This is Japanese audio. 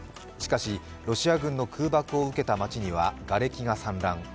しかし、ロシア軍の空爆を受けた町にはがれきが散乱。